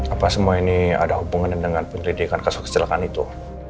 apa semua ini ada hubungannya dengan penyelidikan kasus kecelakaan itu